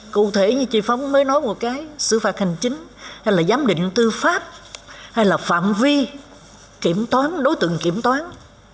cụ thể như chị phóng mới nói một cái xử phạt hành chính hay là giám định tư pháp hay là phạm vi kiểm toán đối tượng kiểm toán